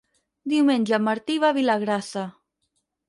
Diumenge en Martí va a Vilagrassa.